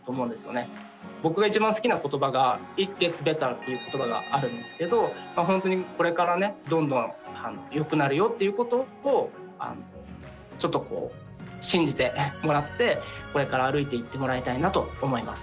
僕が一番好きな言葉がＩｔｇｅｔｓｂｅｔｔｅｒ．っていう言葉があるんですけど本当にこれからねどんどんよくなるよっていうことをちょっとこう信じてもらってこれから歩いていってもらいたいなと思います。